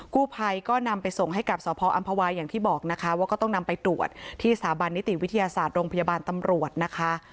กู้ภัยก็นำไปส่งให้กับสพออำภาวาอย่างที่บอกนะคะว่าก็ต้องนำไปตรวจที่สถาบันนิติวิทยาศาสตร์โรงพยาบาลตำรวจนะคะ